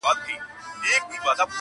• ما یاغي قلم ته د عقاب شهپر اخیستی دی -